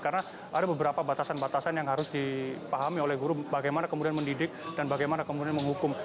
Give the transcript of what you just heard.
karena ada beberapa batasan batasan yang harus dipahami oleh guru bagaimana kemudian mendidik dan bagaimana kemudian menghukum